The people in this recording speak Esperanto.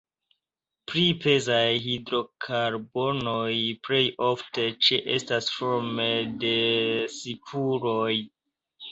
Pli pezaj hidrokarbonoj plej ofte ĉeestas forme de spuroj.